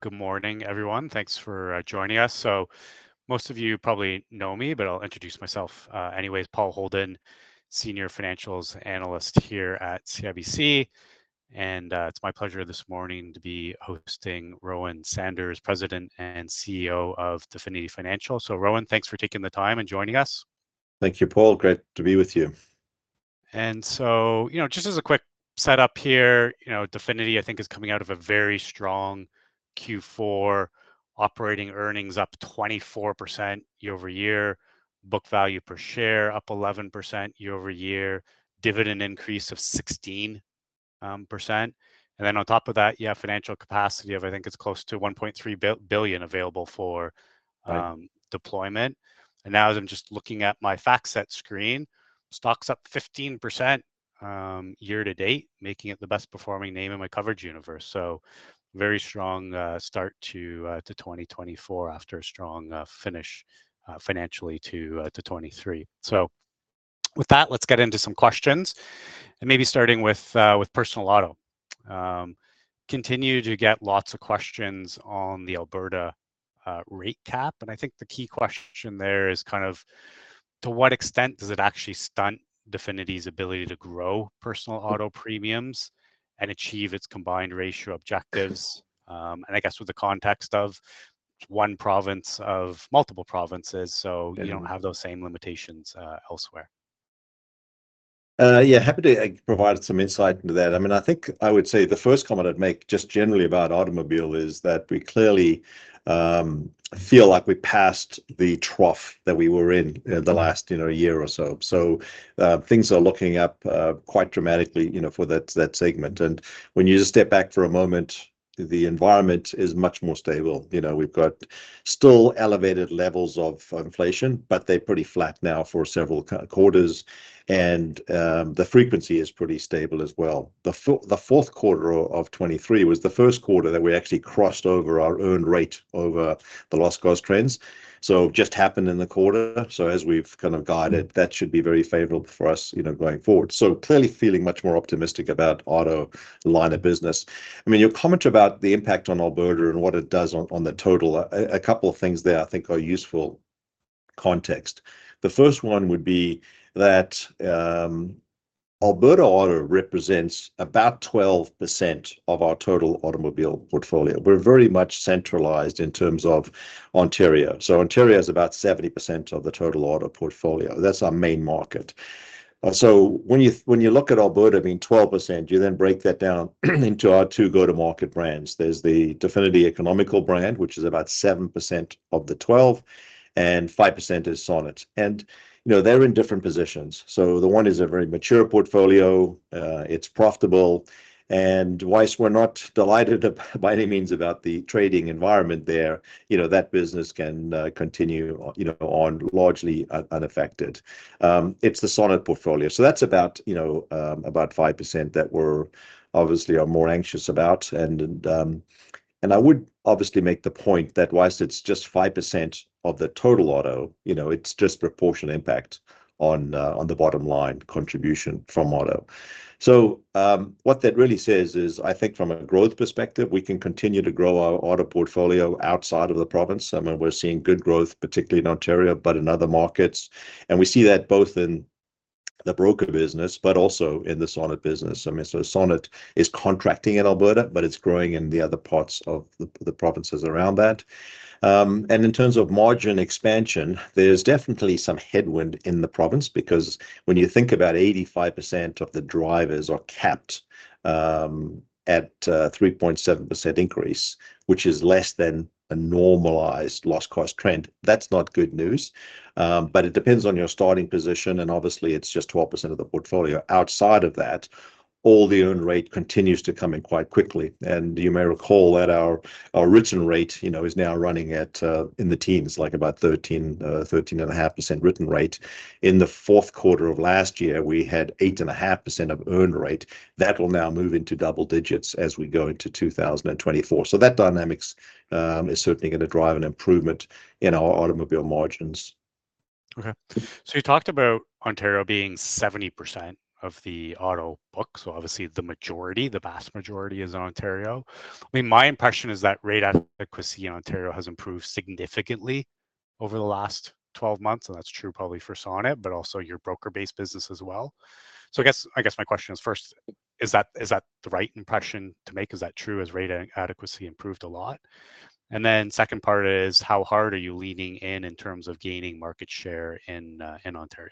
Good morning, everyone. Thanks for joining us. Most of you probably know me, but I'll introduce myself anyways. Paul Holden, Senior Financials Analyst here at CIBC, and it's my pleasure this morning to be hosting Rowan Saunders, President and CEO of Definity Financial. Rowan, thanks for taking the time and joining us. Thank you, Paul. Great to be with you. So, you know, just as a quick setup here, you know, Definity, I think, is coming out of a very strong Q4, operating earnings up 24% year-over-year, book value per share up 11% year-over-year, dividend increase of 16%. And then on top of that, you have financial capacity of, I think, it's close to 1.3 billion available for deployment. And now as I'm just looking at my FactSet screen, stocks up 15% year to date, making it the best-performing name in my coverage universe. So very strong start to 2024 after a strong finish financially to 2023. So with that, let's get into some questions, and maybe starting with personal auto. Continue to get lots of questions on the Alberta rate cap, and I think the key question there is kind of, to what extent does it actually stunt Definity's ability to grow personal auto premiums and achieve its combined ratio objectives? And I guess with the context of one province of multiple provinces, so you don't have those same limitations elsewhere. Yeah, happy to provide some insight into that. I mean, I think I would say the first comment I'd make just generally about automobile is that we clearly feel like we passed the trough that we were in the last, you know, year or so. So things are looking up quite dramatically, you know, for that segment. And when you just step back for a moment, the environment is much more stable. You know, we've got still elevated levels of inflation, but they're pretty flat now for several quarters, and the frequency is pretty stable as well. The fourth quarter of 2023 was the first quarter that we actually crossed over our earned rate over the loss cost trends, so just happened in the quarter. So as we've kind of guided, that should be very favorable for us, you know, going forward. So clearly feeling much more optimistic about auto line of business. I mean, your comment about the impact on Alberta and what it does on the total, a couple of things there I think are useful context. The first one would be that Alberta auto represents about 12% of our total automobile portfolio. We're very much centralized in terms of Ontario. So Ontario is about 70% of the total auto portfolio. That's our main market. So when you look at Alberta, I mean, 12%, you then break that down into our two go-to-market brands. There's the Definity Economical brand, which is about 7% of the 12, and 5% is Sonnet. And, you know, they're in different positions. So the one is a very mature portfolio. It's profitable. While we're not delighted by any means about the trading environment there, you know, that business can continue, you know, on largely unaffected. It's the Sonnet portfolio. So that's about, you know, about 5% that we're obviously more anxious about. And I would obviously make the point that while it's just 5% of the total auto, you know, it's just proportional impact on the bottom-line contribution from auto. So what that really says is, I think, from a growth perspective, we can continue to grow our auto portfolio outside of the province. I mean, we're seeing good growth, particularly in Ontario but in other markets. And we see that both in the broker business but also in the Sonnet business. I mean, so Sonnet is contracting in Alberta, but it's growing in the other parts of the provinces around that. In terms of margin expansion, there's definitely some headwind in the province because when you think about 85% of the drivers are capped at a 3.7% increase, which is less than a normalized loss cost trend, that's not good news. But it depends on your starting position, and obviously it's just 12% of the portfolio. Outside of that, all the earned rate continues to come in quite quickly. You may recall that our written rate, you know, is now running in the teens, like about 13.5% written rate. In the fourth quarter of last year, we had 8.5% of earned rate. That will now move into double digits as we go into 2024. So that dynamic is certainly going to drive an improvement in our automobile margins. Okay. So you talked about Ontario being 70% of the auto book, so obviously the majority, the vast majority, is in Ontario. I mean, my impression is that rate adequacy in Ontario has improved significantly over the last 12 months, and that's true probably for Sonnet, but also your broker-based business as well. So I guess my question is, first, is that the right impression to make? Is that true? Has rate adequacy improved a lot? And then second part is, how hard are you leaning in in terms of gaining market share in Ontario?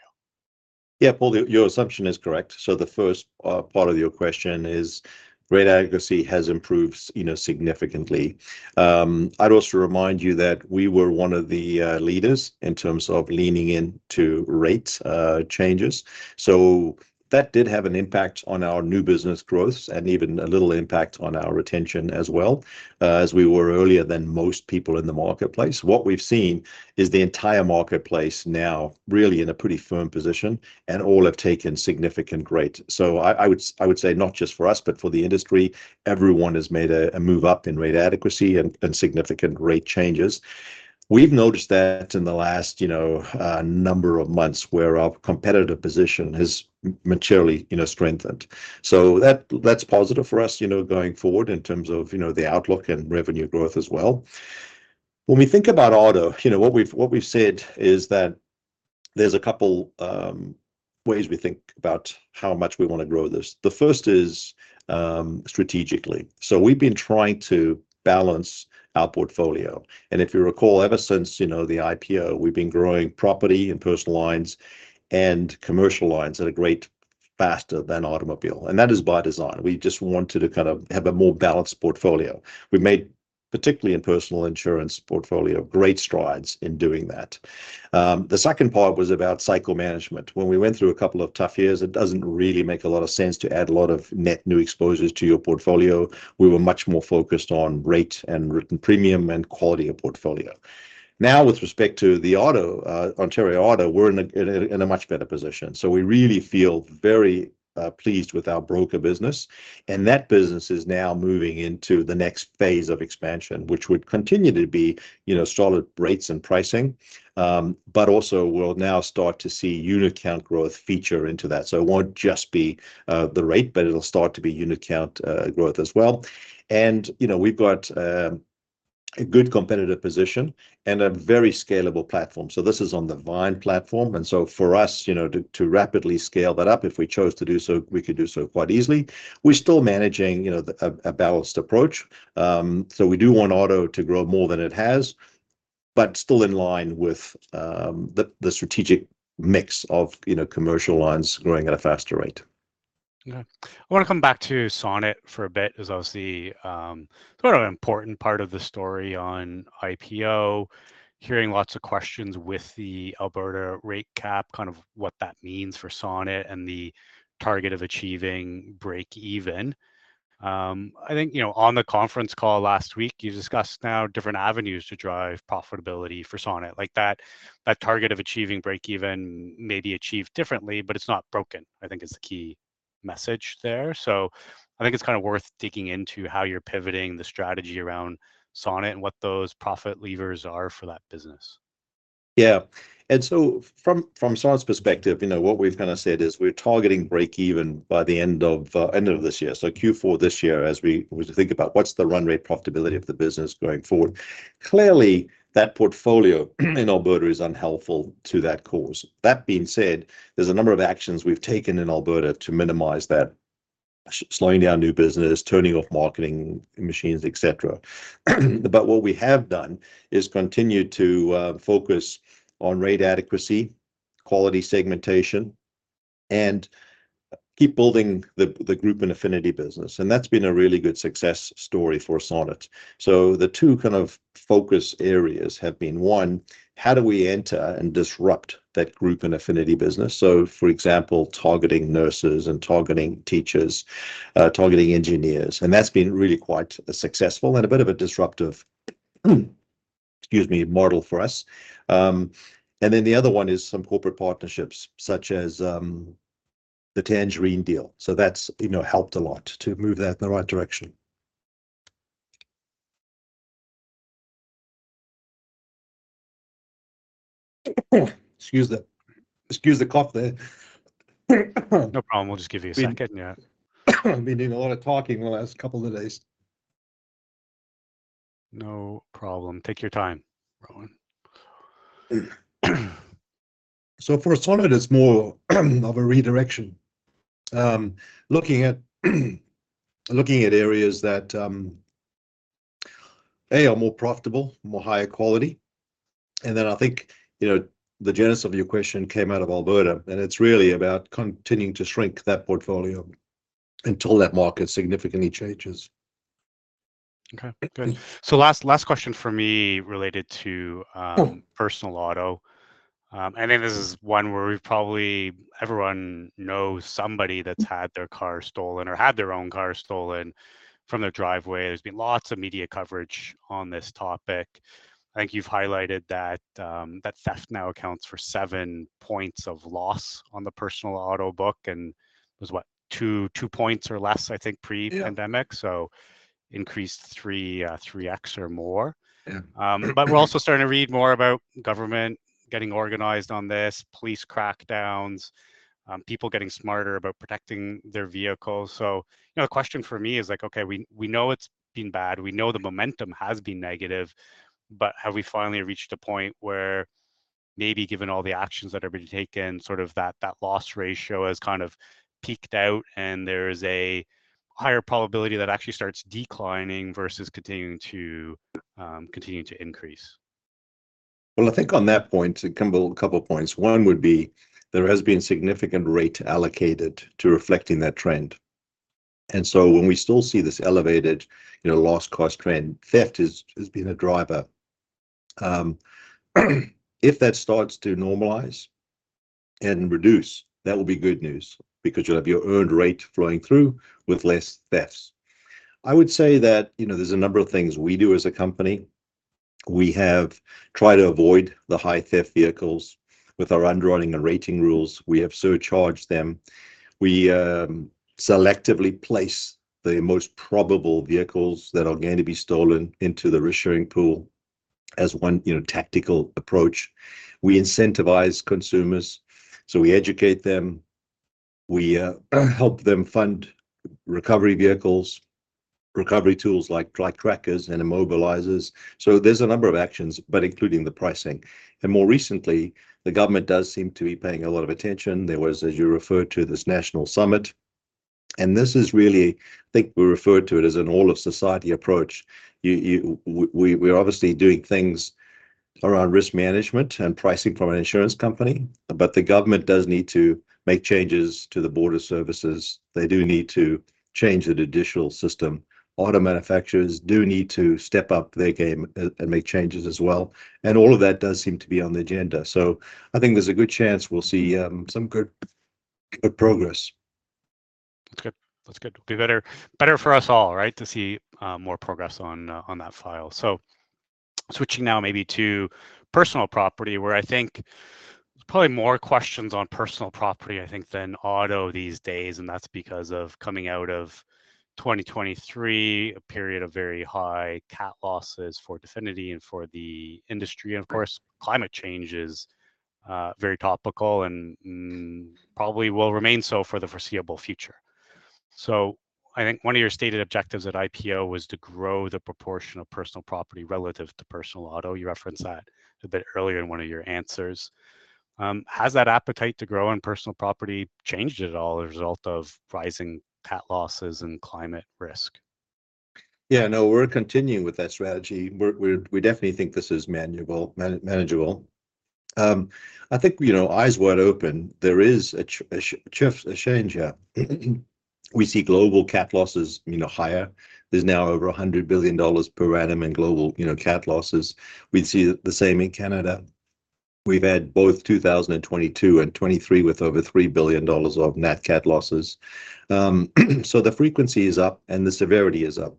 Yeah, Paul, your assumption is correct. So the first part of your question is rate adequacy has improved, you know, significantly. I'd also remind you that we were one of the leaders in terms of leaning into rate changes. So that did have an impact on our new business growth and even a little impact on our retention as well, as we were earlier than most people in the marketplace. What we've seen is the entire marketplace now really in a pretty firm position, and all have taken significant growth. So I would say not just for us, but for the industry, everyone has made a move up in rate adequacy and significant rate changes. We've noticed that in the last, you know, number of months where our competitive position has materially, you know, strengthened. That's positive for us, you know, going forward in terms of, you know, the outlook and revenue growth as well. When we think about auto, you know, what we've said is that there's a couple of ways we think about how much we want to grow this. The first is strategically. We've been trying to balance our portfolio. If you recall, ever since, you know, the IPO, we've been growing property in personal lines and commercial lines at a rate faster than automobile. That is by design. We just wanted to kind of have a more balanced portfolio. We made, particularly in personal insurance portfolio, great strides in doing that. The second part was about cycle management. When we went through a couple of tough years, it doesn't really make a lot of sense to add a lot of net new exposures to your portfolio. We were much more focused on rate and written premium and quality of portfolio. Now, with respect to the Auto, Ontario Auto, we're in a much better position. So we really feel very pleased with our broker business, and that business is now moving into the next phase of expansion, which would continue to be, you know, solid rates and pricing, but also will now start to see unit-count growth feature into that. So it won't just be the rate, but it'll start to be unit-count growth as well. And, you know, we've got a good competitive position and a very scalable platform. So this is on the Vyne platform. And so for us, you know, to rapidly scale that up, if we chose to do so, we could do so quite easily. We're still managing, you know, a balanced approach. We do want auto to grow more than it has, but still in line with the strategic mix of, you know, commercial lines growing at a faster rate. Okay. I want to come back to Sonnet for a bit because that was sort of an important part of the story on IPO, hearing lots of questions with the Alberta rate cap, kind of what that means for Sonnet and the target of achieving break-even. I think, you know, on the conference call last week, you discussed now different avenues to drive profitability for Sonnet. Like, that target of achieving break-even may be achieved differently, but it's not broken, I think, is the key message there. So I think it's kind of worth digging into how you're pivoting the strategy around Sonnet and what those profit levers are for that business. Yeah. And so from Sonnet's perspective, you know, what we've kind of said is we're targeting break-even by the end of this year, so Q4 this year, as we think about what's the run rate profitability of the business going forward. Clearly, that portfolio in Alberta is unhelpful to that cause. That being said, there's a number of actions we've taken in Alberta to minimize that, slowing down new business, turning off marketing machines, etc. But what we have done is continued to focus on rate adequacy, quality segmentation, and keep building the group and affinity business. And that's been a really good success story for Sonnet. So the two kind of focus areas have been, one, how do we enter and disrupt that group and affinity business? So, for example, targeting nurses and targeting teachers, targeting engineers. And that's been really quite successful and a bit of a disruptive, excuse me, model for us. And then the other one is some corporate partnerships, such as the Tangerine deal. So that's, you know, helped a lot to move that in the right direction. Excuse the cough there. No problem. We'll just give you a second. Yeah. I've been doing a lot of talking the last couple of days. No problem. Take your time, Rowan. So for Sonnet, it's more of a redirection, looking at areas that, A, are more profitable, more higher quality. And then I think, you know, the genesis of your question came out of Alberta, and it's really about continuing to shrink that portfolio until that market significantly changes. Okay. Good. So last question for me related to personal auto. And then this is one where we've probably everyone knows somebody that's had their car stolen or had their own car stolen from their driveway. There's been lots of media coverage on this topic. I think you've highlighted that theft now accounts for seven points of loss on the personal auto book and was, what, two points or less, I think, pre-pandemic, so increased 3x or more. But we're also starting to read more about government getting organized on this, police crackdowns, people getting smarter about protecting their vehicles. So, you know, the question for me is like, okay, we know it's been bad. We know the momentum has been negative. But have we finally reached a point where maybe, given all the actions that have been taken, sort of that loss ratio has kind of peaked out and there's a higher probability that actually starts declining versus continuing to increase? Well, I think on that point, a couple of points. One would be there has been significant rate alloCated to reflecting that trend. And so when we still see this elevated, you know, loss cost trend, theft has been a driver. If that starts to normalize and reduce, that will be good news because you'll have your earned rate flowing through with less thefts. I would say that, you know, there's a number of things we do as a company. We have tried to avoid the high theft vehicles with our underwriting and rating rules. We have surcharged them. We selectively place the most probable vehicles that are going to be stolen into the reinsurance pool as one, you know, tactical approach. We incentivize consumers. So we eduCate them. We help them fund recovery vehicles, recovery tools like Tag and immobilizers. So there's a number of actions, but including the pricing. And more recently, the government does seem to be paying a lot of attention. There was, as you referred to, this national summit. And this is really, I think we refer to it as an all-of-society approach. We're obviously doing things around risk management and pricing from an insurance company, but the government does need to make changes to the border services. They do need to change the judicial system. Auto manufacturers do need to step up their game and make changes as well. And all of that does seem to be on the agenda. So I think there's a good chance we'll see some good progress. That's good. That's good. It'll be better for us all, right, to see more progress on that file. So switching now maybe to personal property, where I think there's probably more questions on personal property, I think, than auto these days. And that's because of coming out of 2023, a period of very high Cat losses for Definity and for the industry. And of course, climate change is very topical and probably will remain so for the foreseeable future. So I think one of your stated objectives at IPO was to grow the proportion of personal property relative to personal auto. You referenced that a bit earlier in one of your answers. Has that appetite to grow in personal property changed at all as a result of rising Cat losses and climate risk? Yeah, no, we're continuing with that strategy. We definitely think this is manageable. I think, you know, eyes wide open, there is a shift of change here. We see global Cat losses, you know, higher. There's now over $100 billion per annum in global, you know, Cat losses. We'd see the same in Canada. We've had both 2022 and 2023 with over 3 billion dollars of net Cat losses. So the frequency is up and the severity is up.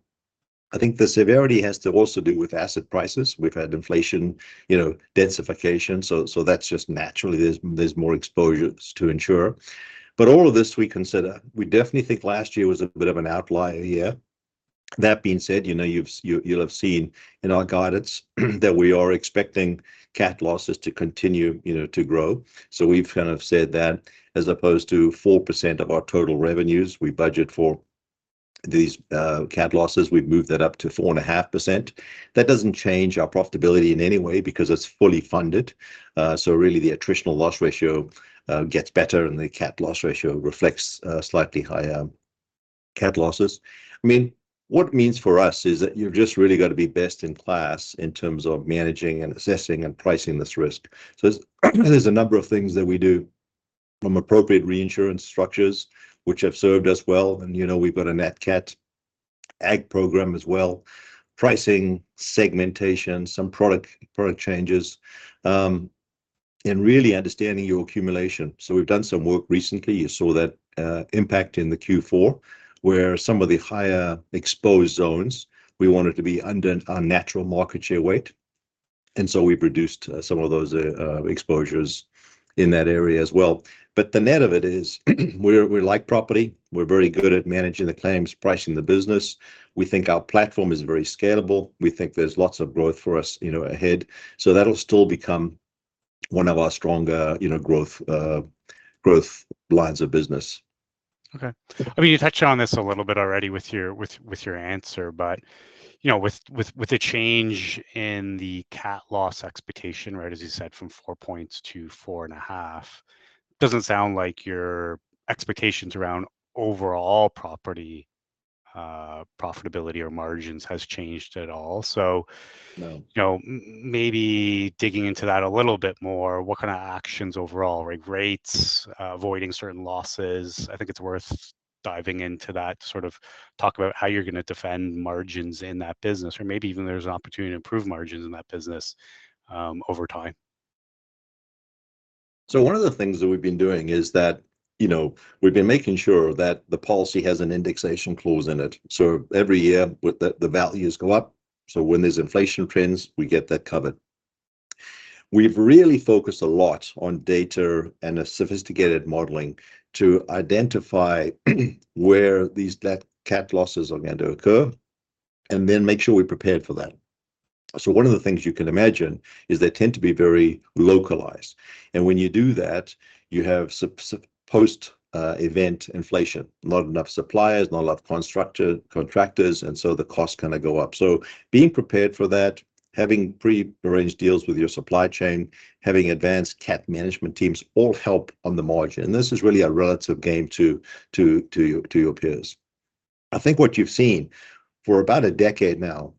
I think the severity has to also do with asset prices. We've had inflation, you know, densifiCation. So that's just naturally, there's more exposures to insure. But all of this we consider. We definitely think last year was a bit of an outlier year. That being said, you know, you'll have seen in our guidance that we are expecting Cat losses to continue, you know, to grow. So we've kind of said that as opposed to 4% of our total revenues we budget for these Cat losses, we've moved that up to 4.5%. That doesn't change our profitability in any way because it's fully funded. So really, the attritional loss ratio gets better and the Cat loss ratio reflects slightly higher Cat losses. I mean, what it means for us is that you've just really got to be best in class in terms of managing and assessing and pricing this risk. So there's a number of things that we do from appropriate reinsurance structures, which have served us well. And, you know, we've got a Net Cat Agg program as well, pricing, segmentation, some product changes, and really understanding your accumulation. So we've done some work recently. You saw that impact in the Q4, where some of the higher exposed zones, we wanted to be under our natural market share weight. And so we've reduced some of those exposures in that area as well. But the net of it is we like property. We're very good at managing the claims, pricing the business. We think our platform is very scalable. We think there's lots of growth for us, you know, ahead. So that'll still become one of our stronger, you know, growth lines of business. Okay. I mean, you touched on this a little bit already with your answer, but, you know, with the change in the Cat loss expectation, right, as you said, from four points to four and a half, it doesn't sound like your expectations around overall property profitability or margins have changed at all. So, you know, maybe digging into that a little bit more, what kind of actions overall, like rates, avoiding certain losses, I think it's worth diving into that to sort of talk about how you're going to defend margins in that business, or maybe even there's an opportunity to improve margins in that business over time. So one of the things that we've been doing is that, you know, we've been making sure that the policy has an indexation clause in it. So every year, the values go up. So when there's inflation trends, we get that covered. We've really focused a lot on data and sophistiCated modeling to identify where these Cat losses are going to occur and then make sure we're prepared for that. So one of the things you can imagine is they tend to be very localized. And when you do that, you have post-event inflation, not enough suppliers, not enough contractors, and so the costs kind of go up. So being prepared for that, having pre-arranged deals with your supply chain, having advanced Cat management teams all help on the margin. And this is really a relative game to your peers. I think what you've seen for about a decade now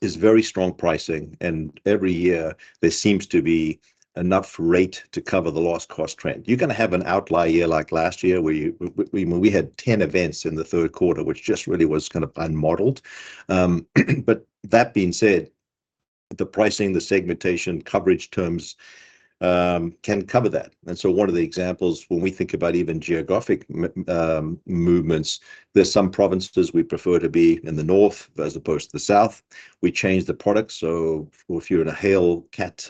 is very strong pricing, and every year, there seems to be enough rate to cover the loss cost trend. You're going to have an outlier year like last year where, I mean, we had 10 events in the third quarter, which just really was kind of unmodeled. But that being said, the pricing, the segmentation, coverage terms can cover that. And so one of the examples, when we think about even geographic movements, there's some provinces we prefer to be in the north as opposed to the south. We change the product. So if you're in a hail-Cat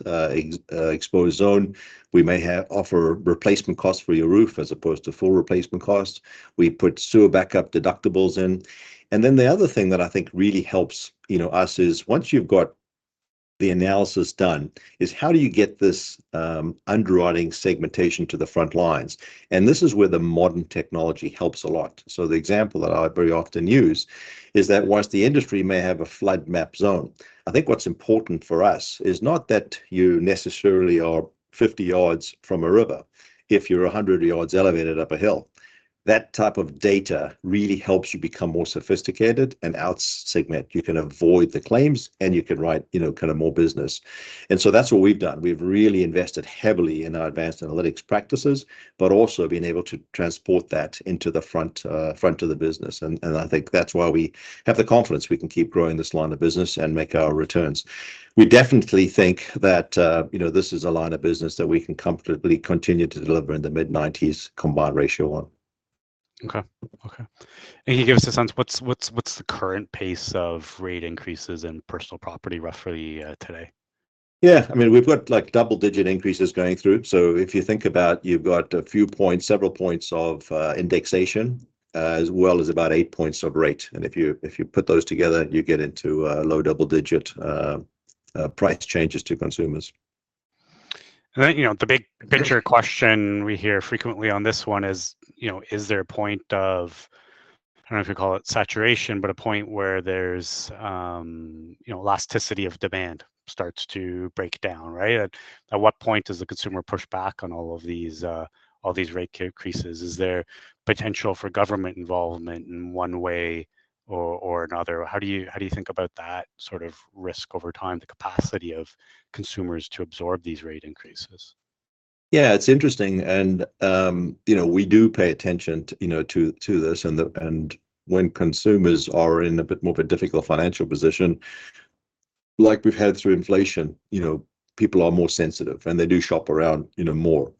exposed zone, we may offer replacement costs for your roof as opposed to full replacement costs. We put sewer backup deductibles in. Then the other thing that I think really helps, you know, us is once you've got the analysis done, is how do you get this underwriting segmentation to the front lines? And this is where the modern technology helps a lot. So the example that I very often use is that while the industry may have a flood map zone, I think what's important for us is not that you necessarily are 50 yards from a river. If you're 100 yards elevated up a hill, that type of data really helps you become more sophistiCated and outsegment. You can avoid the claims and you can write, you know, kind of more business. And so that's what we've done. We've really invested heavily in our advanced analytics practices, but also been able to transport that into the front of the business. I think that's why we have the confidence we can keep growing this line of business and make our returns. We definitely think that, you know, this is a line of business that we can comfortably continue to deliver in the mid-90s, combined ratio on. Okay. Okay. Can you give us a sense of what's the current pace of rate increases in personal property, roughly, today? Yeah, I mean, we've got like double-digit increases going through. So if you think about, you've got a few points, several points of indexation, as well as about eight points of rate. And if you put those together, you get into low double-digit price changes to consumers. And then, you know, the big picture question we hear frequently on this one is, you know, is there a point of, I don't know if you call it saturation, but a point where there's, you know, elasticity of demand starts to break down, right? At what point does the consumer push back on all of these rate increases? Is there potential for government involvement in one way or another? How do you think about that sort of risk over time, the capacity of consumers to absorb these rate increases? Yeah, it's interesting. And, you know, we do pay attention to this. And when consumers are in a bit more of a difficult financial position, like we've had through inflation, you know, people are more sensitive and they do shop around, you know, more.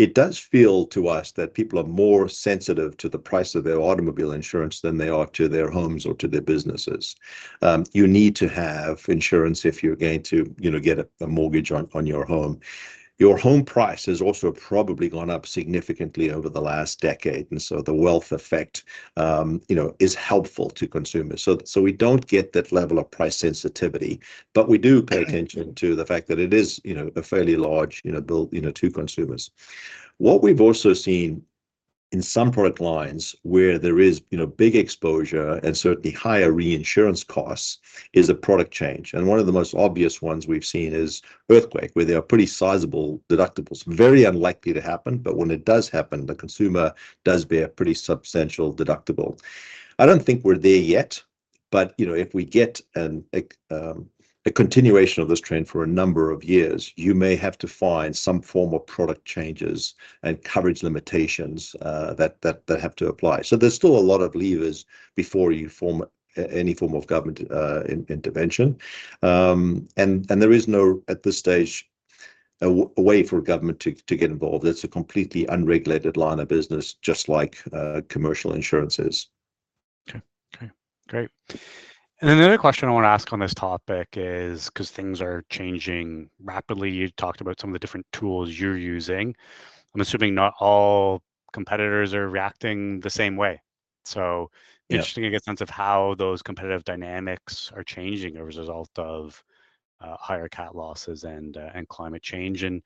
It does feel to us that people are more sensitive to the price of their automobile insurance than they are to their homes or to their businesses. You need to have insurance if you're going to, you know, get a mortgage on your home. Your home price has also probably gone up significantly over the last decade. And so the wealth effect, you know, is helpful to consumers. So we don't get that level of price sensitivity, but we do pay attention to the fact that it is, you know, a fairly large bill to consumers. What we've also seen in some product lines where there is, you know, big exposure and certainly higher reinsurance costs is a product change. And one of the most obvious ones we've seen is earthquake, where there are pretty sizable deductibles, very unlikely to happen. But when it does happen, the consumer does bear a pretty substantial deductible. I don't think we're there yet. But, you know, if we get a continuation of this trend for a number of years, you may have to find some form of product changes and coverage limitations that have to apply. So there's still a lot of levers before you form any form of government intervention. And there is no, at this stage, way for government to get involved. It's a completely unregulated line of business, just like commercial insurances. Okay. Okay. Great. And then the other question I want to ask on this topic is, because things are changing rapidly, you talked about some of the different tools you're using. I'm assuming not all competitors are reacting the same way. So interesting to get a sense of how those competitive dynamics are changing as a result of higher Cat losses and climate change. And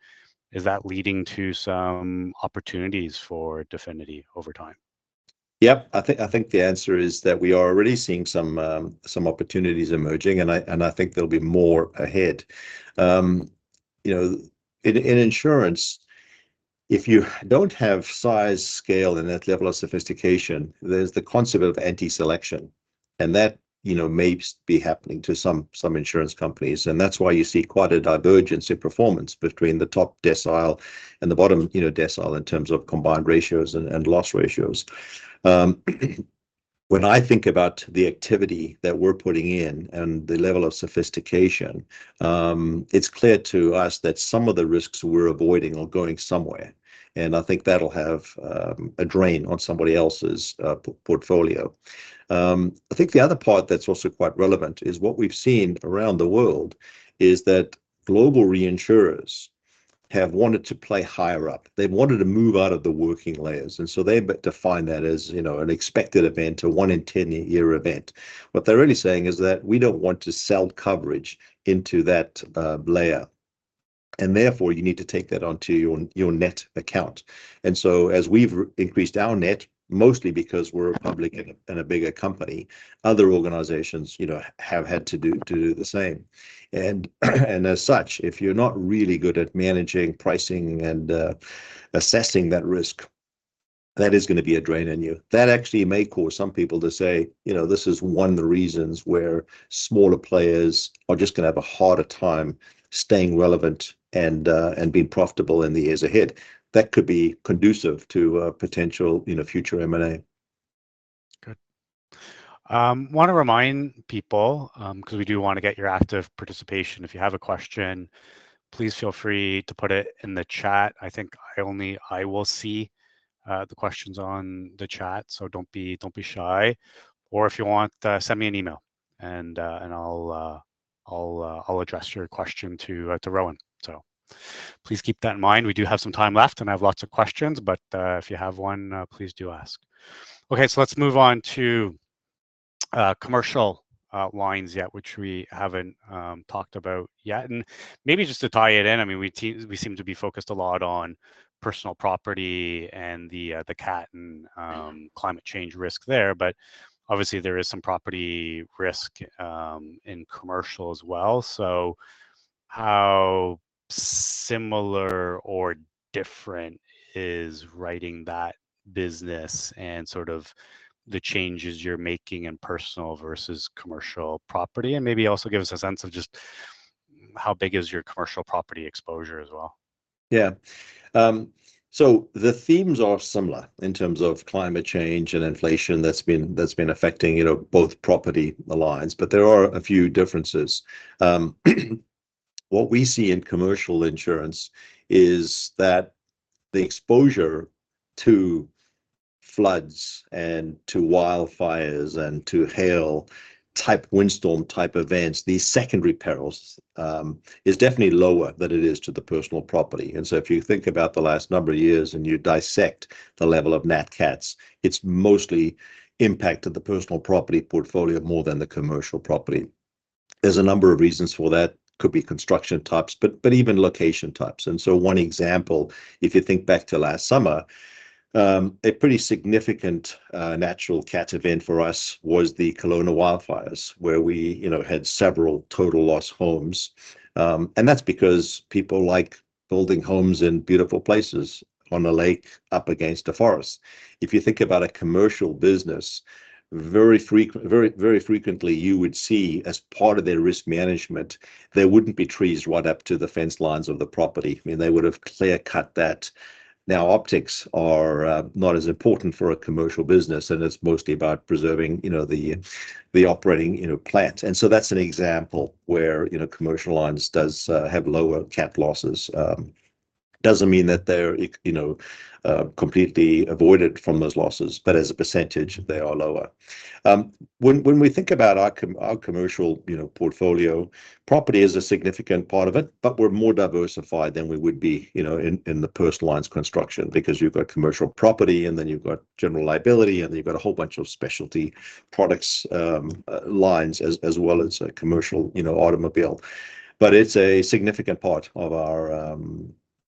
is that leading to some opportunities for Definity over time? Yep. I think the answer is that we are already seeing some opportunities emerging, and I think there'll be more ahead. You know, in insurance, if you don't have size, scale, and that level of sophistiCation, there's the concept of anti-selection. That, you know, may be happening to some insurance companies. That's why you see quite a divergence in performance between the top decile and the bottom decile in terms of combined ratios and loss ratios. When I think about the activity that we're putting in and the level of sophistiCation, it's clear to us that some of the risks we're avoiding are going somewhere. I think that'll have a drain on somebody else's portfolio. I think the other part that's also quite relevant is what we've seen around the world is that global reinsurers have wanted to play higher up. They've wanted to move out of the working layers. And so they define that as, you know, an expected event or one in 10-year event. What they're really saying is that we don't want to sell coverage into that layer. And therefore, you need to take that onto your net account. And so, as we've increased our net, mostly because we're a public and a bigger company, other organizations, you know, have had to do the same. And as such, if you're not really good at managing pricing and assessing that risk, that is going to be a drain on you. That actually may cause some people to say, you know, this is one of the reasons where smaller players are just going to have a harder time staying relevant and being profitable in the years ahead. That could be conducive to potential future M&A. Good. I want to remind people, because we do want to get your active participation, if you have a question, please feel free to put it in the chat. I think I will see the questions on the chat, so don't be shy. Or if you want, send me an email and I'll address your question to Rowan. So please keep that in mind. We do have some time left, and I have lots of questions, but if you have one, please do ask. Okay, so let's move on to commercial lines yet, which we haven't talked about yet. And maybe just to tie it in, I mean, we seem to be focused a lot on personal property and the Cat and climate change risk there. But obviously, there is some property risk in commercial as well. How similar or different is writing that business and sort of the changes you're making in personal versus commercial property? Maybe also give us a sense of just how big is your commercial property exposure as well? Yeah. So the themes are similar in terms of climate change and inflation that's been affecting both property lines, but there are a few differences. What we see in commercial insurance is that the exposure to floods and to wildfires and to hail-type, windstorm-type events, these secondary perils, is definitely lower than it is to the personal property. And so if you think about the last number of years and you dissect the level of nat Cats, it's mostly impacted the personal property portfolio more than the commercial property. There's a number of reasons for that. It could be construction types, but even loCation types. And so one example, if you think back to last summer, a pretty significant natural Cat event for us was the Kelowna wildfires, where we had several total-loss homes. That's because people like building homes in beautiful places on a lake up against a forest. If you think about a commercial business, very frequently, you would see, as part of their risk management, there wouldn't be trees right up to the fence lines of the property. I mean, they would have clear-cut that. Now, optics are not as important for a commercial business, and it's mostly about preserving the operating plant. And so that's an example where commercial lines do have lower Cat losses. It doesn't mean that they're completely avoided from those losses, but as a percentage, they are lower. When we think about our commercial portfolio, property is a significant part of it, but we're more diversified than we would be in the personal lines construction, because you've got commercial property, and then you've got general liability, and then you've got a whole bunch of specialty products lines, as well as a commercial automobile.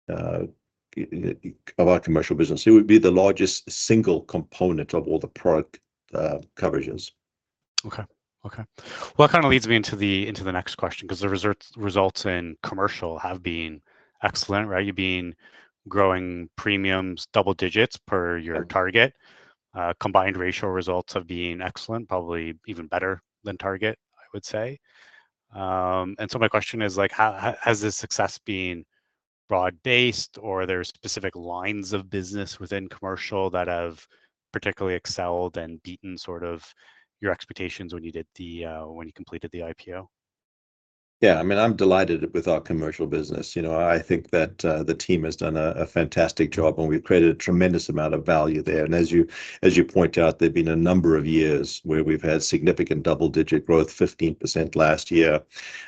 But it's a significant part of our commercial business. It would be the largest single component of all the product coverages. Okay. Okay. Well, that kind of leads me into the next question, because the results in commercial have been excellent, right? You've been growing premiums, double digits per your target. Combined ratio results have been excellent, probably even better than target, I would say. And so my question is, has this success been broad-based, or are there specific lines of business within commercial that have particularly excelled and beaten sort of your expectations when you completed the IPO? Yeah, I mean, I'm delighted with our commercial business. You know, I think that the team has done a fantastic job, and we've created a tremendous amount of value there. As you point out, there have been a number of years where we've had significant double-digit growth, 15% last year,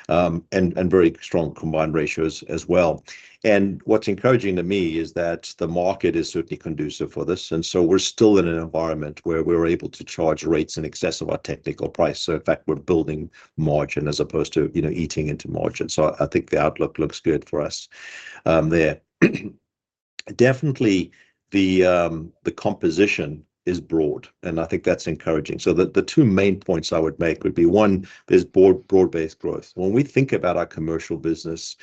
and very strong combined ratios as well. What's encouraging to me is that the market is certainly conducive for this. So we're still in an environment where we're able to charge rates in excess of our technical price. So, in fact, we're building margin as opposed to eating into margin. So I think the outlook looks good for us there. Definitely, the composition is broad, and I think that's encouraging. The two main points I would make would be, one, there's broad-based growth. When we think about our commercial business,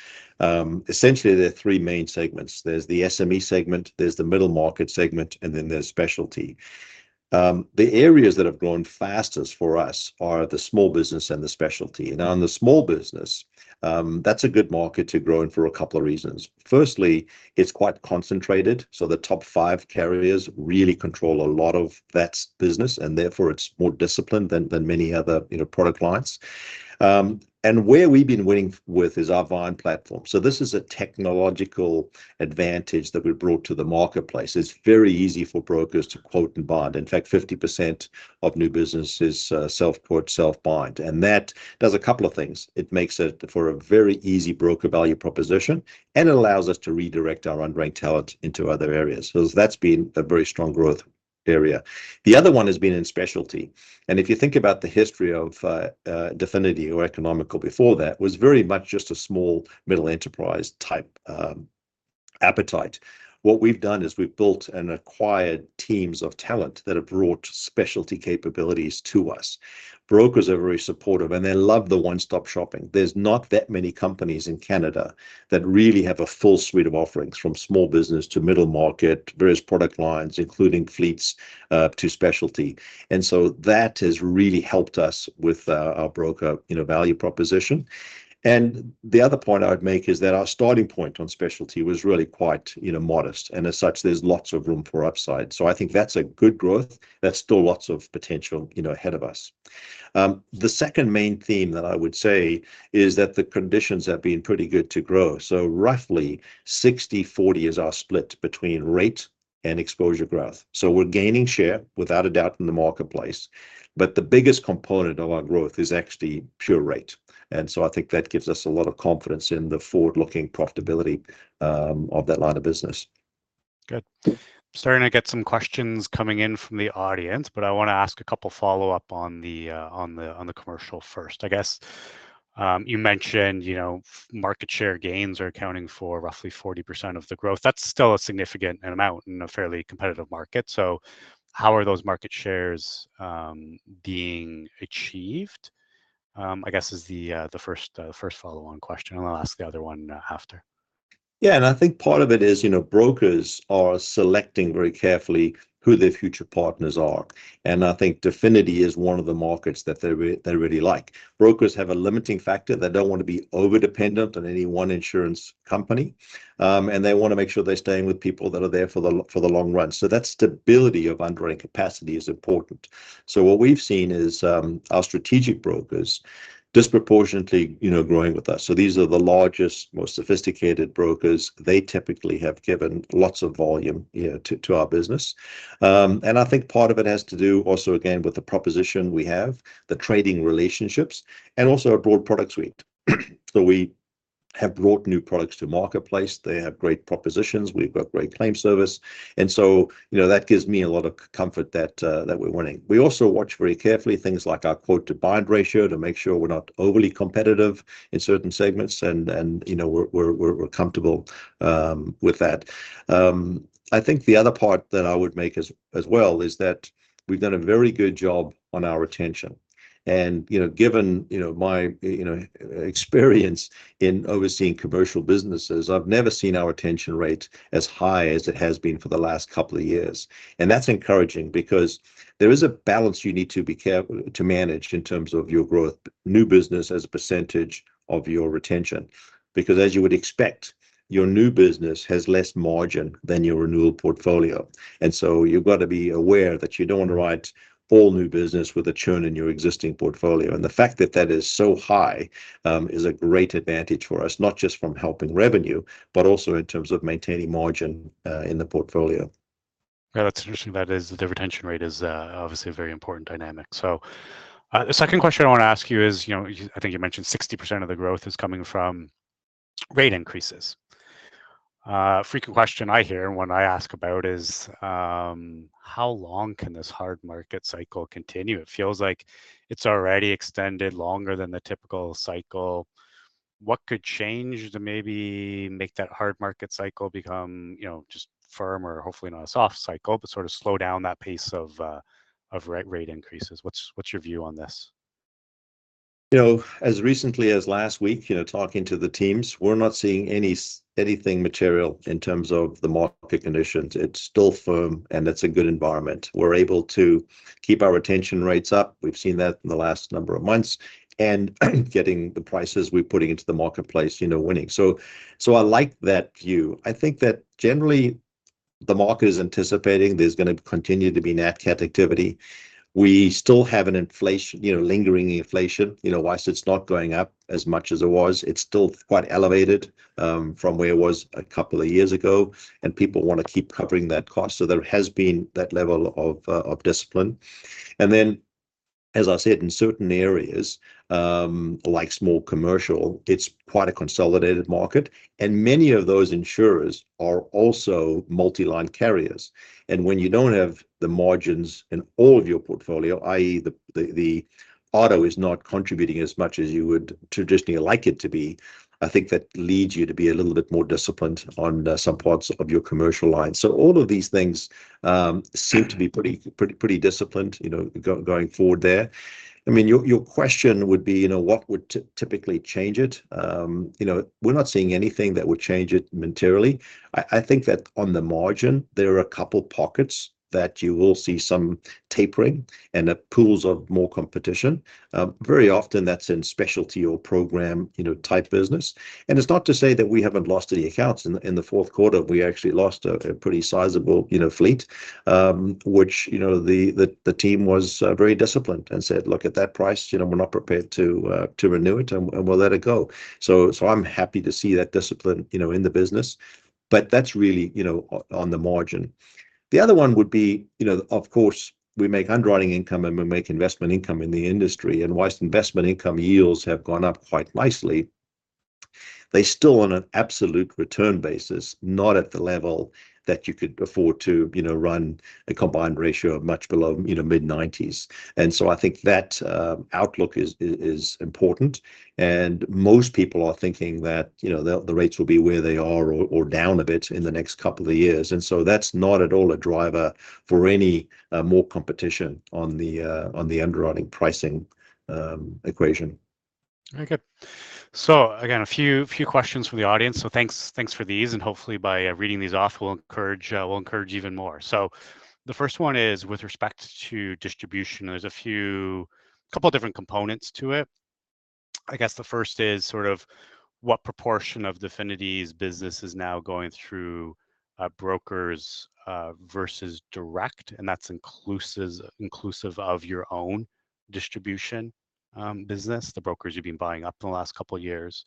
essentially, there are three main segments. There's the SME segment, there's the middle market segment, and then there's specialty. The areas that have grown fastest for us are the small business and the specialty. Now, in the small business, that's a good market to grow in for a couple of reasons. Firstly, it's quite concentrated, so the top five carriers really control a lot of that business, and therefore, it's more disciplined than many other product lines. And where we've been winning with is our Vyne platform. So this is a technological advantage that we've brought to the marketplace. It's very easy for brokers to quote and bind. In fact, 50% of new businesses self-quote, self-bind. And that does a couple of things. It makes it for a very easy broker value proposition, and it allows us to redirect our underlying talent into other areas. So that's been a very strong growth area. The other one has been in specialty. And if you think about the history of Definity or Economical before that, it was very much just a small, middle enterprise-type appetite. What we've done is we've built and acquired teams of talent that have brought specialty capabilities to us. Brokers are very supportive, and they love the one-stop shopping. There's not that many companies in Canada that really have a full suite of offerings, from small business to middle market, various product lines, including fleets to specialty. And so that has really helped us with our broker value proposition. And the other point I would make is that our starting point on specialty was really quite modest. And as such, there's lots of room for upside. So I think that's a good growth. There's still lots of potential ahead of us. The second main theme that I would say is that the conditions have been pretty good to grow. Roughly, 60/40 is our split between rate and exposure growth. We're gaining share, without a doubt, in the marketplace. But the biggest component of our growth is actually pure rate. And so I think that gives us a lot of confidence in the forward-looking profitability of that line of business. Good. I'm starting to get some questions coming in from the audience, but I want to ask a couple of follow-ups on the commercial first. I guess you mentioned market share gains are accounting for roughly 40% of the growth. That's still a significant amount in a fairly competitive market. So how are those market shares being achieved, I guess, is the first follow-on question, and I'll ask the other one after. Yeah. I think part of it is brokers are selecting very carefully who their future partners are. I think Definity is one of the markets that they really like. Brokers have a limiting factor. They don't want to be overdependent on any one insurance company, and they want to make sure they're staying with people that are there for the long run. That stability of underlying capacity is important. What we've seen is our strategic brokers disproportionately growing with us. These are the largest, most sophistiCated brokers. They typically have given lots of volume to our business. I think part of it has to do also, again, with the proposition we have, the trading relationships, and also a broad product suite. We have brought new products to the marketplace. They have great propositions. We've got great claim service. And so that gives me a lot of comfort that we're winning. We also watch very carefully things like our quote-to-bind ratio to make sure we're not overly competitive in certain segments, and we're comfortable with that. I think the other part that I would make as well is that we've done a very good job on our retention. And given my experience in overseeing commercial businesses, I've never seen our retention rate as high as it has been for the last couple of years. And that's encouraging because there is a balance you need to be careful to manage in terms of your growth, new business as a percentage of your retention. Because, as you would expect, your new business has less margin than your renewal portfolio. And so you've got to be aware that you don't want to write all new business with a churn in your existing portfolio. And the fact that that is so high is a great advantage for us, not just from helping revenue, but also in terms of maintaining margin in the portfolio. Yeah, that's interesting. The retention rate is obviously a very important dynamic. So the second question I want to ask you is, I think you mentioned 60% of the growth is coming from rate increases. A frequent question I hear when I ask about is, how long can this hard market cycle continue? It feels like it's already extended longer than the typical cycle. What could change to maybe make that hard market cycle become just firmer, hopefully not a soft cycle, but sort of slow down that pace of rate increases? What's your view on this? As recently as last week, talking to the teams, we're not seeing anything material in terms of the market conditions. It's still firm, and it's a good environment. We're able to keep our retention rates up. We've seen that in the last number of months, and getting the prices we're putting into the marketplace winning. So I like that view. I think that, generally, the market is anticipating there's going to continue to be NatCat activity. We still have lingering inflation. While it's not going up as much as it was, it's still quite elevated from where it was a couple of years ago, and people want to keep covering that cost. So there has been that level of discipline. And then, as I said, in certain areas, like small commercial, it's quite a consolidated market, and many of those insurers are also multi-line carriers. And when you don't have the margins in all of your portfolio, i.e., the auto is not contributing as much as you would traditionally like it to be, I think that leads you to be a little bit more disciplined on some parts of your commercial line. So all of these things seem to be pretty disciplined going forward there. I mean, your question would be, what would typically change it? We're not seeing anything that would change it materially. I think that, on the margin, there are a couple of pockets that you will see some tapering and pools of more competition. Very often, that's in specialty or program-type business. And it's not to say that we haven't lost any accounts. In the fourth quarter, we actually lost a pretty sizable fleet, which the team was very disciplined and said, "Look, at that price, we're not prepared to renew it and we'll let it go." So I'm happy to see that discipline in the business, but that's really on the margin. The other one would be, of course, we make underwriting income, and we make investment income in the industry. And whilst investment income yields have gone up quite nicely, they're still on an absolute return basis, not at the level that you could afford to run a combined ratio much below mid-90s. And so I think that outlook is important. And most people are thinking that the rates will be where they are or down a bit in the next couple of years. And so that's not at all a driver for any more competition on the underwriting pricing equation. Okay. So, again, a few questions from the audience. So thanks for these. And hopefully, by reading these off, we'll encourage even more. So the first one is with respect to distribution. There's a couple of different components to it. I guess the first is sort of what proportion of Definity's business is now going through brokers versus direct, and that's inclusive of your own distribution business, the brokers you've been buying up in the last couple of years.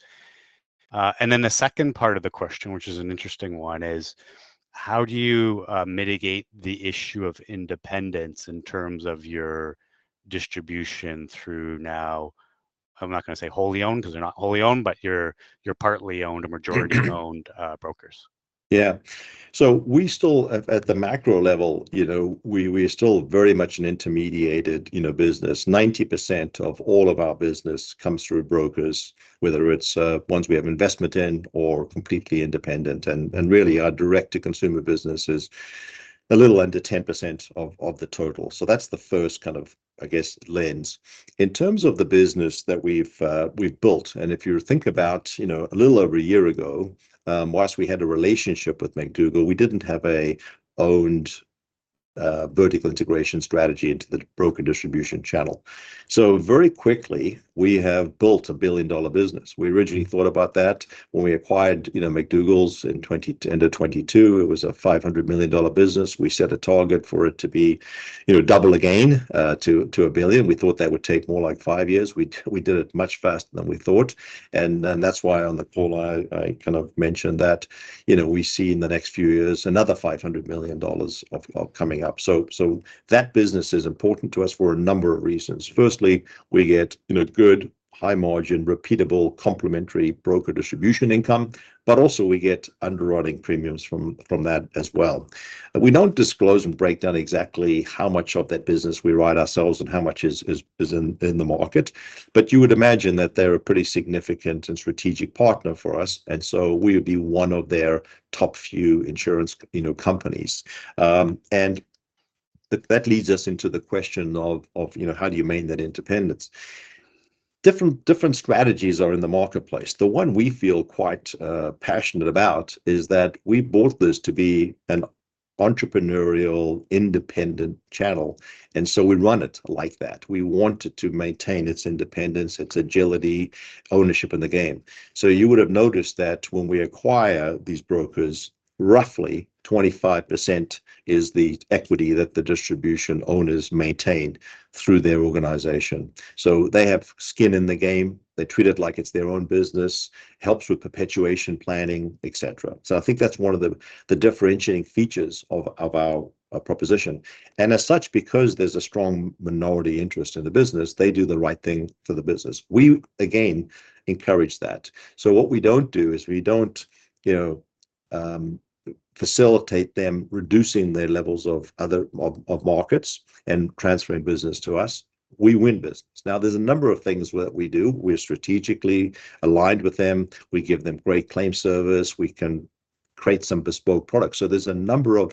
And then the second part of the question, which is an interesting one, is, how do you mitigate the issue of independence in terms of your distribution through now, I'm not going to say wholly owned, because they're not wholly owned, but you're partly owned and majority owned brokers? Yeah. So at the macro level, we're still very much an intermediated business. 90% of all of our business comes through brokers, whether it's ones we have investment in or completely independent. And really, our direct-to-consumer business is a little under 10% of the total. So that's the first kind of, I guess, lens. In terms of the business that we've built, and if you think about a little over a year ago, while we had a relationship with McDougall, we didn't have an owned vertical integration strategy into the broker distribution channel. So very quickly, we have built a billion-dollar business. We originally thought about that when we acquired McDougall's in the end of 2022. It was a 500 million dollar business. We set a target for it to be double again to 1 billion. We thought that would take more like five years. We did it much faster than we thought. And that's why, on the call, I kind of mentioned that we see, in the next few years, another 500 million dollars coming up. So that business is important to us for a number of reasons. Firstly, we get good, high-margin, repeatable, complementary broker distribution income, but also, we get underwriting premiums from that as well. We don't disclose and break down exactly how much of that business we write ourselves and how much is in the market, but you would imagine that they're a pretty significant and strategic partner for us. And so we would be one of their top few insurance companies. And that leads us into the question of, how do you maintain that independence? Different strategies are in the marketplace. The one we feel quite passionate about is that we bought this to be an entrepreneurial, independent channel, and so we run it like that. We want it to maintain its independence, its agility, ownership in the game. So you would have noticed that when we acquire these brokers, roughly 25% is the equity that the distribution owners maintain through their organization. So they have skin in the game. They treat it like it's their own business, helps with perpetuation planning, etc. So I think that's one of the differentiating features of our proposition. And as such, because there's a strong minority interest in the business, they do the right thing for the business. We, again, encourage that. So what we don't do is we don't facilitate them reducing their levels of markets and transferring business to us. We win business. Now, there's a number of things that we do. We're strategically aligned with them. We give them great claim service. We can create some bespoke products. So there's a number of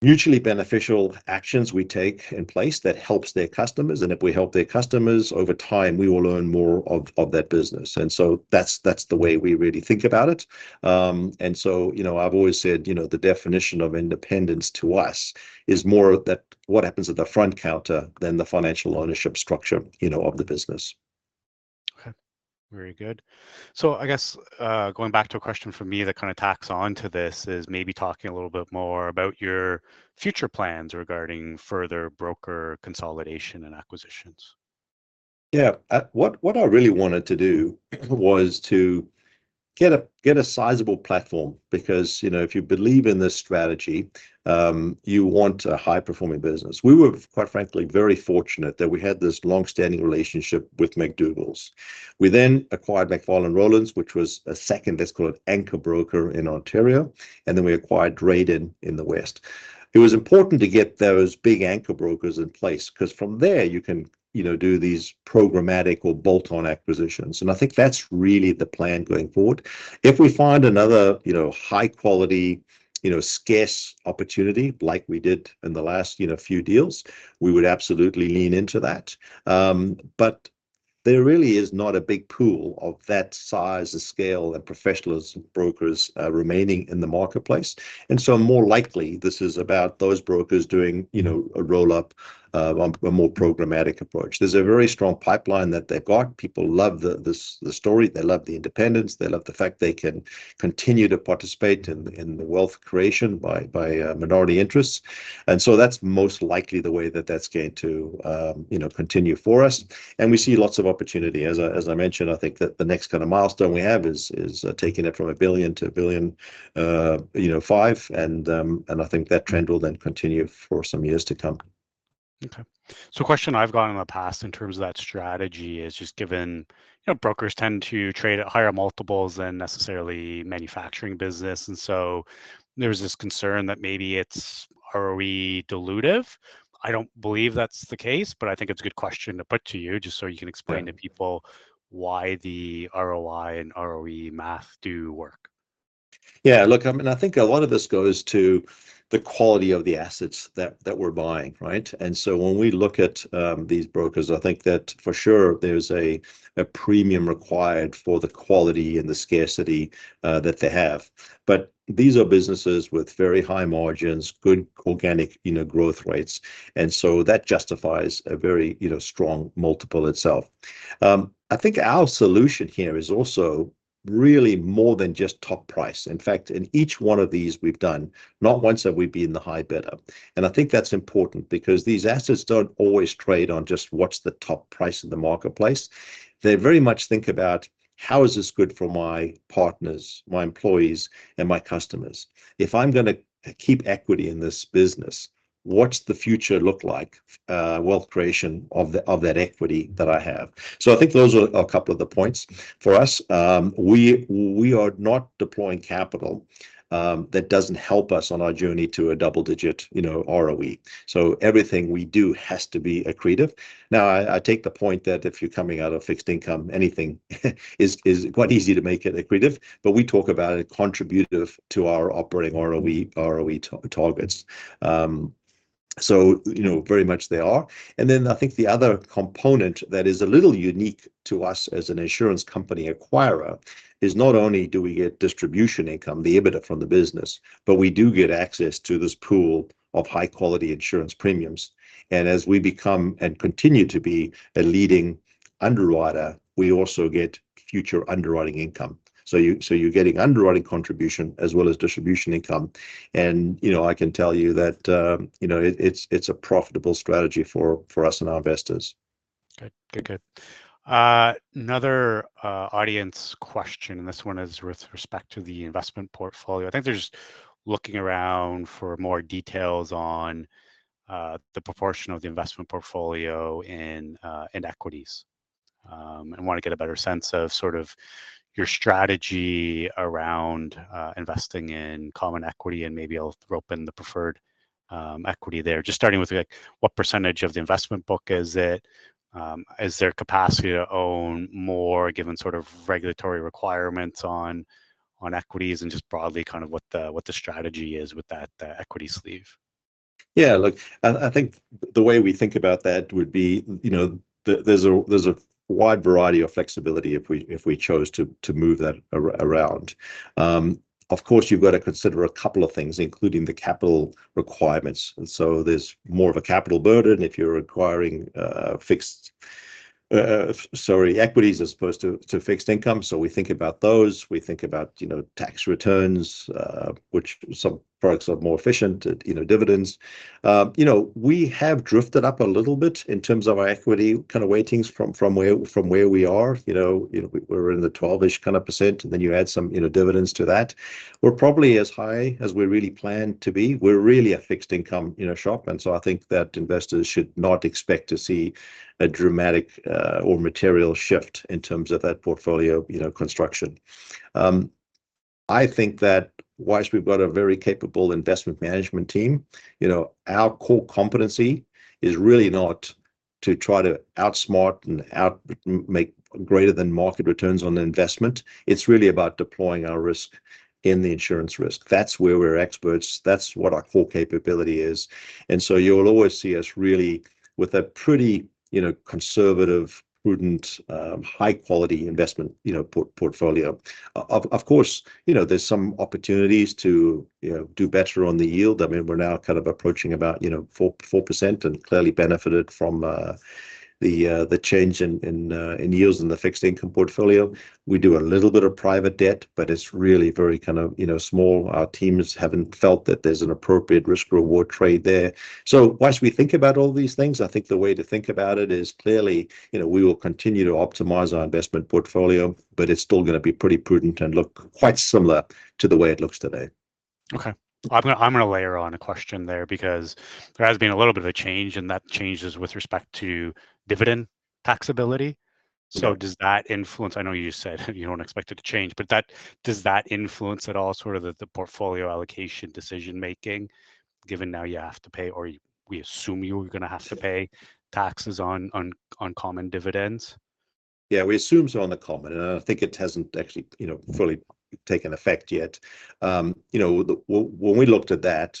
mutually beneficial actions we take in place that help their customers. And if we help their customers, over time, we will earn more of that business. And so that's the way we really think about it. And so I've always said the definition of independence to us is more that what happens at the front counter than the financial ownership structure of the business. Okay, very good. I guess going back to a question from me that kind of tacks onto this is maybe talking a little bit more about your future plans regarding further broker consolidation and acquisitions. Yeah. What I really wanted to do was to get a sizable platform because, if you believe in this strategy, you want a high-performing business. We were, quite frankly, very fortunate that we had this longstanding relationship with McDougall's. We then acquired McFarlan Rowlands, which was a second, let's call it, anchor broker in Ontario. And then we acquired Drayden in the West. It was important to get those big anchor brokers in place because, from there, you can do these programmatic or bolt-on acquisitions. And I think that's really the plan going forward. If we find another high-quality, scarce opportunity, like we did in the last few deals, we would absolutely lean into that. But there really is not a big pool of that size and scale and professionalized brokers remaining in the marketplace. More likely, this is about those brokers doing a roll-up, a more programmatic approach. There's a very strong pipeline that they've got. People love the story. They love the independence. They love the fact they can continue to participate in the wealth creation by minority interests. And so that's most likely the way that that's going to continue for us. And we see lots of opportunity. As I mentioned, I think that the next kind of milestone we have is taking it from 1 billion to 1.5 billion. And I think that trend will then continue for some years to come. Okay. So a question I've gotten in the past in terms of that strategy is just given brokers tend to trade at higher multiples than necessarily manufacturing business. And so there's this concern that maybe it's ROE dilutive. I don't believe that's the case, but I think it's a good question to put to you just so you can explain to people why the ROI and ROE math do work. Yeah. Look, and I think a lot of this goes to the quality of the assets that we're buying, right? And so when we look at these brokers, I think that, for sure, there's a premium required for the quality and the scarcity that they have. But these are businesses with very high margins, good organic growth rates. And so that justifies a very strong multiple itself. I think our solution here is also really more than just top price. In fact, in each one of these, we've done, not once have we been the high bidder. And I think that's important because these assets don't always trade on just what's the top price in the marketplace. They very much think about, how is this good for my partners, my employees, and my customers? If I'm going to keep equity in this business, what's the future look like, wealth creation of that equity that I have? So I think those are a couple of the points for us. We are not deploying capital that doesn't help us on our journey to a double-digit ROE. So everything we do has to be accretive. Now, I take the point that if you're coming out of fixed income, anything is quite easy to make it accretive, but we talk about it contributive to our operating ROE targets. So very much, they are. And then I think the other component that is a little unique to us as an insurance company acquirer is not only do we get distribution income, the EBITDA from the business, but we do get access to this pool of high-quality insurance premiums. As we become and continue to be a leading underwriter, we also get future underwriting income. You're getting underwriting contribution as well as distribution income. I can tell you that it's a profitable strategy for us and our investors. Okay, good, good. Another audience question, and this one is with respect to the investment portfolio. I think they're just looking around for more details on the proportion of the investment portfolio in equities and want to get a better sense of sort of your strategy around investing in common equity. And maybe I'll throw in the preferred equity there, just starting with what percentage of the investment book is it? Is there capacity to own more, given sort of regulatory requirements on equities, and just broadly kind of what the strategy is with that equity sleeve? Yeah. Look, I think the way we think about that would be there's a wide variety of flexibility if we chose to move that around. Of course, you've got to consider a couple of things, including the capital requirements. And so there's more of a capital burden if you're acquiring fixed, sorry, equities as opposed to fixed income. So we think about those. We think about tax returns, which some products are more efficient, dividends. We have drifted up a little bit in terms of our equity kind of weightings from where we are. We were in the 12-ish% kind of, and then you add some dividends to that. We're probably as high as we really plan to be. We're really a fixed-income shop. And so I think that investors should not expect to see a dramatic or material shift in terms of that portfolio construction. I think that while we've got a very capable investment management team, our core competency is really not to try to outsmart and make greater-than-market returns on investment. It's really about deploying our risk in the insurance risk. That's where we're experts. That's what our core capability is. And so you'll always see us really with a pretty conservative, prudent, high-quality investment portfolio. Of course, there's some opportunities to do better on the yield. I mean, we're now kind of approaching about 4% and clearly benefited from the change in yields in the fixed-income portfolio. We do a little bit of private debt, but it's really very kind of small. Our teams haven't felt that there's an appropriate risk-reward trade there. So while we think about all these things, I think the way to think about it is, clearly, we will continue to optimize our investment portfolio, but it's still going to be pretty prudent and look quite similar to the way it looks today. Okay. I'm going to layer on a question there because there has been a little bit of a change, and that changes with respect to dividend taxability. So does that influence? I know you just said you don't expect it to change, but does that influence at all sort of the portfolio allocation decision-making, given now you have to pay, or we assume you're going to have to pay taxes on common dividends? Yeah, we assume so on the common, and I think it hasn't actually fully taken effect yet. When we looked at that,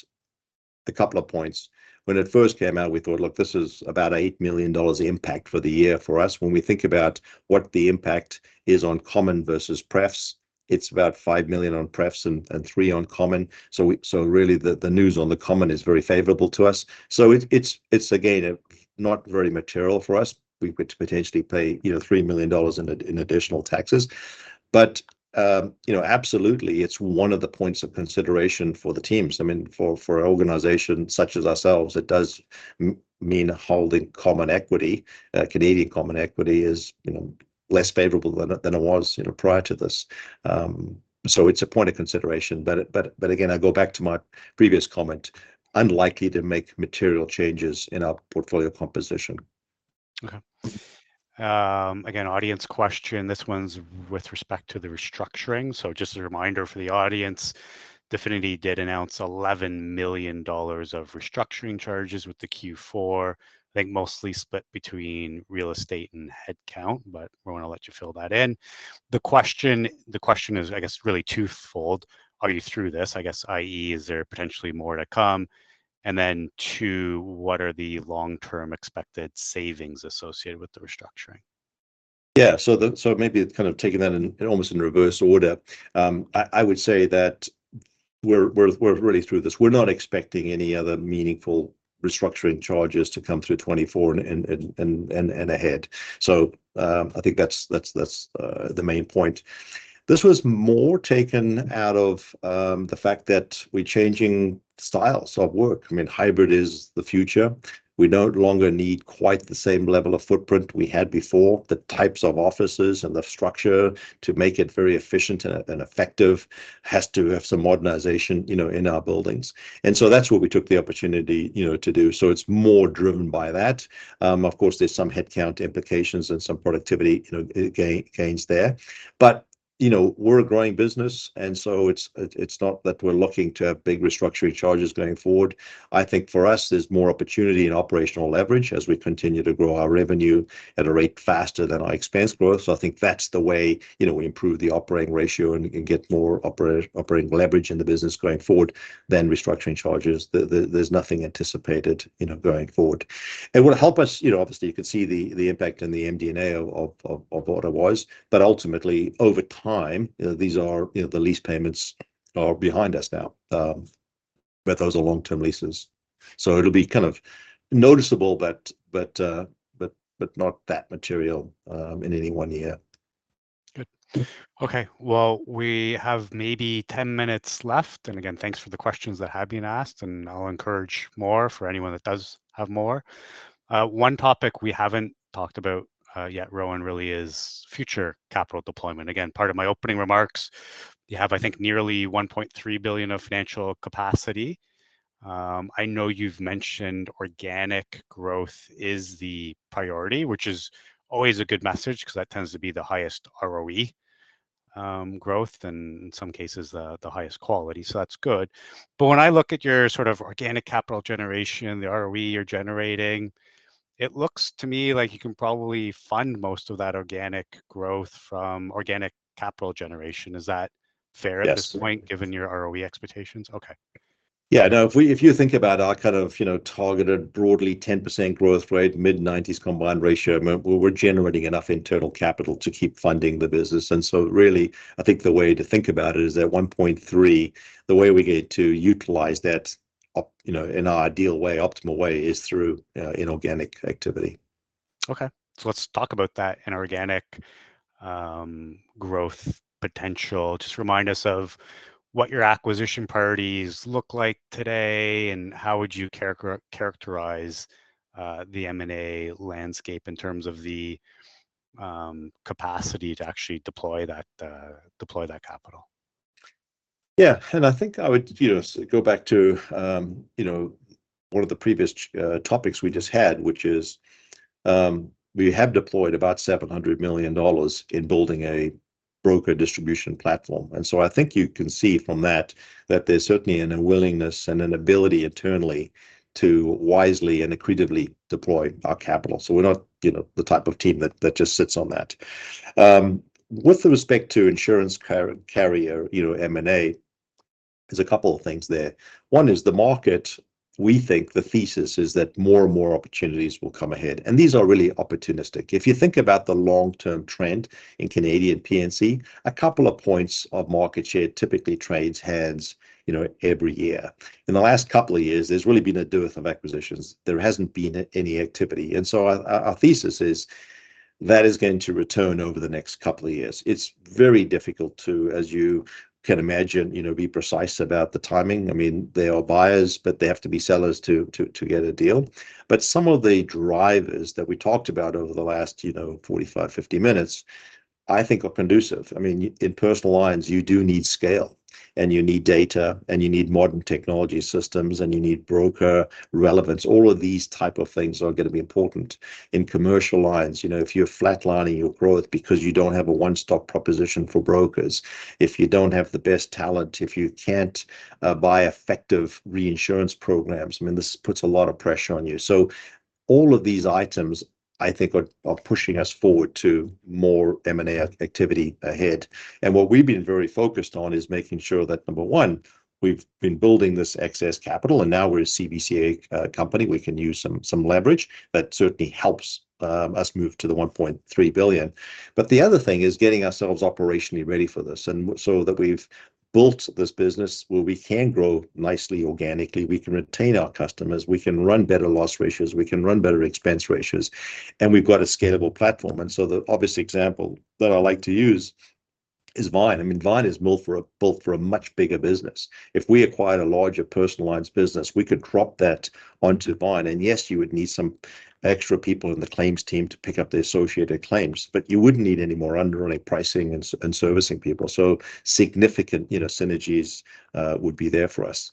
a couple of points, when it first came out, we thought, "Look, this is about 8 million dollars impact for the year for us." When we think about what the impact is on common versus prefs, it's about 5 million on prefs and 3 million on common. So really, the news on the common is very favorable to us. So it's, again, not very material for us. We could potentially pay 3 million dollars in additional taxes. But absolutely, it's one of the points of consideration for the teams. I mean, for an organization such as ourselves, it does mean holding common equity. Canadian common equity is less favorable than it was prior to this. So it's a point of consideration. But again, I go back to my previous comment, unlikely to make material changes in our portfolio composition. Okay. Again, audience question. This one's with respect to the restructuring. So just a reminder for the audience, Definity did announce 11 million dollars of restructuring charges with the Q4, I think mostly split between real estate and headcount, but we're going to let you fill that in. The question is, I guess, really twofold. Are you through this, I guess, i.e., is there potentially more to come? And then, two, what are the long-term expected savings associated with the restructuring? Yeah. So maybe kind of taking that almost in reverse order, I would say that we're really through this. We're not expecting any other meaningful restructuring charges to come through 2024 and ahead. So I think that's the main point. This was more taken out of the fact that we're changing styles of work. I mean, hybrid is the future. We no longer need quite the same level of footprint we had before. The types of offices and the structure to make it very efficient and effective has to have some modernization in our buildings. And so that's where we took the opportunity to do. So it's more driven by that. Of course, there's some headcount impliCations and some productivity gains there. But we're a growing business, and so it's not that we're looking to have big restructuring charges going forward. I think for us, there's more opportunity in operational leverage as we continue to grow our revenue at a rate faster than our expense growth. So I think that's the way we improve the operating ratio and get more operating leverage in the business going forward than restructuring charges. There's nothing anticipated going forward. It would help us. Obviously, you could see the impact in the MD&A of what it was. But ultimately, over time, these are the lease payments are behind us now, but those are long-term leases. So it'll be kind of noticeable, but not that material in any one year. Good. Okay. Well, we have maybe 10 minutes left. And again, thanks for the questions that have been asked, and I'll encourage more for anyone that does have more. One topic we haven't talked about yet, Rowan, really is future capital deployment. Again, part of my opening remarks, you have, I think, nearly 1.3 billion of financial capacity. I know you've mentioned organic growth is the priority, which is always a good message because that tends to be the highest ROE growth and, in some cases, the highest quality. So that's good. But when I look at your sort of organic capital generation, the ROE you're generating, it looks to me like you can probably fund most of that organic growth from organic capital generation. Is that fair at this point, given your ROE expectations? Okay. Yeah. No, if you think about our kind of targeted broadly 10% growth rate, mid-90s combined ratio, we're generating enough internal capital to keep funding the business. And so really, I think the way to think about it is that 1.3%, the way we get to utilize that in our ideal way, optimal way, is through inorganic activity. Okay. Let's talk about that inorganic growth potential. Just remind us of what your acquisition priorities look like today, and how would you characterize the M&A landscape in terms of the capacity to actually deploy that capital? Yeah. I think I would go back to one of the previous topics we just had, which is we have deployed about 700 million dollars in building a broker distribution platform. So I think you can see from that that there's certainly an unwillingness and an ability internally to wisely and accretively deploy our capital. We're not the type of team that just sits on that. With respect to insurance carrier M&A, there's a couple of things there. One is the market. We think the thesis is that more and more opportunities will come ahead. These are really opportunistic. If you think about the long-term trend in Canadian P&C, a couple of points of market share typically trades hands every year. In the last couple of years, there's really been a drought of acquisitions. There hasn't been any activity. And so our thesis is that is going to return over the next couple of years. It's very difficult to, as you can imagine, be precise about the timing. I mean, they are buyers, but they have to be sellers to get a deal. But some of the drivers that we talked about over the last 45, 50 minutes, I think, are conducive. I mean, in personal lines, you do need scale, and you need data, and you need modern technology systems, and you need broker relevance. All of these types of things are going to be important. In commercial lines, if you're flatlining your growth because you don't have a one-stop proposition for brokers, if you don't have the best talent, if you can't buy effective reinsurance programs, I mean, this puts a lot of pressure on you. So all of these items, I think, are pushing us forward to more M&A activity ahead. What we've been very focused on is making sure that, number one, we've been building this excess capital, and now we're a CBCA company. We can use some leverage. That certainly helps us move to the 1.3 billion. But the other thing is getting ourselves operationally ready for this. So that we've built this business where we can grow nicely organically, we can retain our customers, we can run better loss ratios, we can run better expense ratios, and we've got a scalable platform. The obvious example that I like to use is Vyne. I mean, Vyne is built for a much bigger business. If we acquired a larger personal lines business, we could drop that onto Vyne. Yes, you would need some extra people in the claims team to pick up the associated claims, but you wouldn't need any more underwriting pricing and servicing people. So significant synergies would be there for us.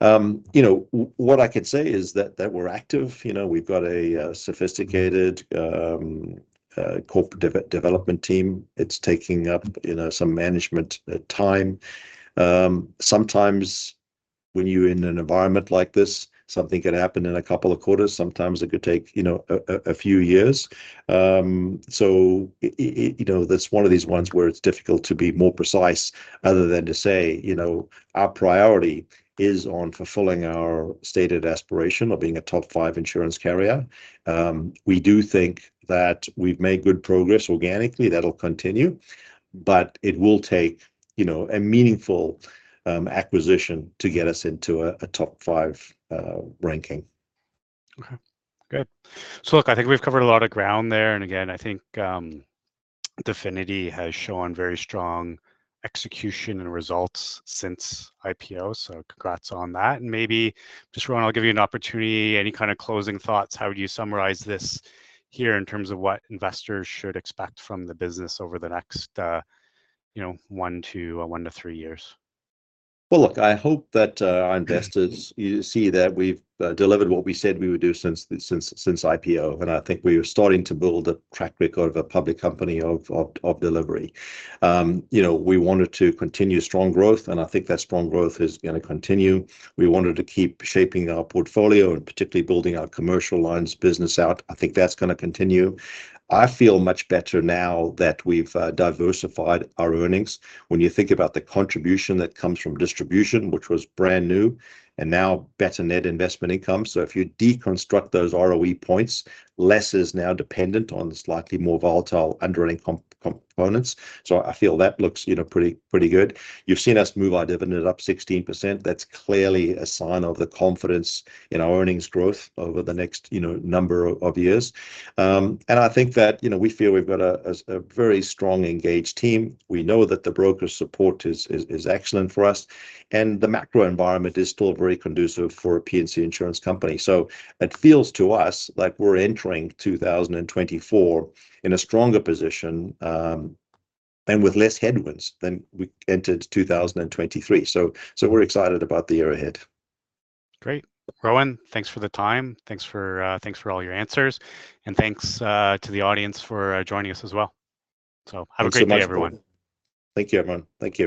What I could say is that we're active. We've got a sophistiCated corporate development team. It's taking up some management time. Sometimes, when you're in an environment like this, something could happen in a couple of quarters. Sometimes it could take a few years. So that's one of these ones where it's difficult to be more precise other than to say, "Our priority is on fulfilling our stated aspiration of being a top five insurance carrier." We do think that we've made good progress organically. That'll continue, but it will take a meaningful acquisition to get us into a top five ranking. Okay. Good. So look, I think we've covered a lot of ground there. And again, I think Definity has shown very strong execution and results since IPO. So congrats on that. And maybe, just Rowan, I'll give you an opportunity, any kind of closing thoughts. How would you summarize this here in terms of what investors should expect from the business over the next one to three years? Well, look, I hope that our investors see that we've delivered what we said we would do since IPO. I think we are starting to build a track record of a public company of delivery. We wanted to continue strong growth, and I think that strong growth is going to continue. We wanted to keep shaping our portfolio and particularly building our commercial lines business out. I think that's going to continue. I feel much better now that we've diversified our earnings. When you think about the contribution that comes from distribution, which was brand new, and now better net investment income. So if you deconstruct those ROE points, less is now dependent on slightly more volatile underwriting components. So I feel that looks pretty good. You've seen us move our dividend up 16%. That's clearly a sign of the confidence in our earnings growth over the next number of years. I think that we feel we've got a very strong engaged team. We know that the broker's support is excellent for us, and the macro environment is still very conducive for a P&C insurance company. It feels to us like we're entering 2024 in a stronger position and with less headwinds than we entered 2023. We're excited about the year ahead. Great. Rowan, thanks for the time. Thanks for all your answers. And thanks to the audience for joining us as well. So have a great day, everyone. Thank you, everyone. Thank you.